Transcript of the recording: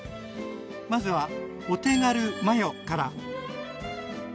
まずはお手軽マヨから。